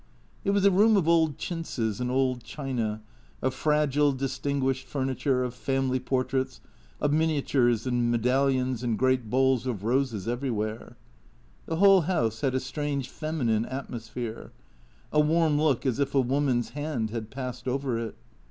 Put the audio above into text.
It was a room of old chintzes and old china, of fragile, dis tinguished furniture, of family portraits, of miniatures in medal lions, and great bowls of roses everywhere. The whole house had a strange feminine atmosphere, a warm look as if a woman's hand had passed over it.